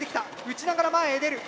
撃ちながら前へ出る。